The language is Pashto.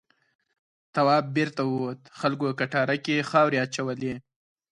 تواب بېرته ووت خلکو کټاره کې خاورې اچولې.